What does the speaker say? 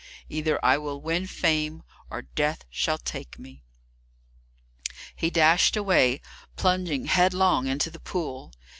Either I will win fame, or death shall take me." He dashed away, plunging headlong into the pool.